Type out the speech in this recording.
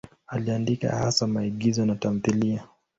Aliandika hasa maigizo na tamthiliya.